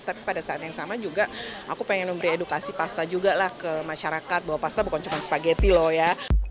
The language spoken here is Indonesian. tapi pada saat yang sama juga aku pengen memberi edukasi pasta juga lah ke masyarakat bahwa pasta bukan cuma spaghetti loh ya